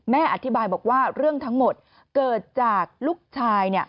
อธิบายบอกว่าเรื่องทั้งหมดเกิดจากลูกชาย